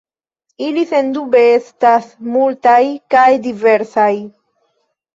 Ili sendube estas multaj kaj diversaj.